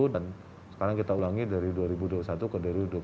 dan sekarang kita ulangi dari dua ribu dua puluh satu ke dua ribu dua puluh dua